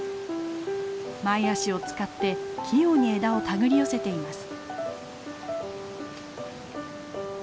前足を使って器用に枝を手繰り寄せています。